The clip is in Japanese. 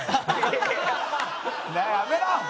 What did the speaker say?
やめろ！